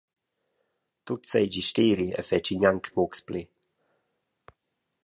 Tut seigi steri e fetschi gnanc mucs pli.